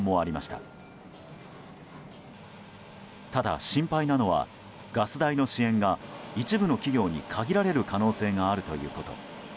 ただ、心配なのはガス代の支援が一部の企業に限られる可能性があるということこと。